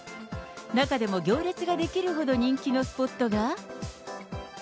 中でも行列が出来るほどの人気のスポットが。